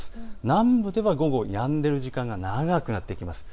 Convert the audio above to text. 南部では午後、やんでる時間が長くなっていきます。